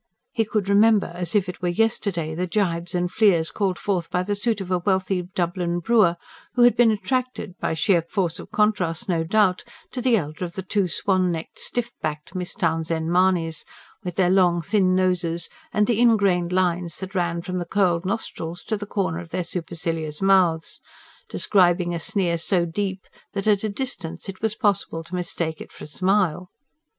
He could remember, as if it were yesterday, the jibes and fleers called forth by the suit of a wealthy Dublin brewer, who had been attracted by sheer force of contrast, no doubt to the elder of the two swan necked, stiff backed Miss Townshend Mahonys, with their long, thin noses, and the ingrained lines that ran from the curled nostrils to the corners of their supercilious mouths, describing a sneer so deep that at a distance it was possible to mistake it for a smile.